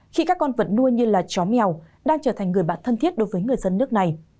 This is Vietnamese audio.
khi các con vật nuôi như là chó mèo đang trở thành người bạn thân thiết đối với người dân nước này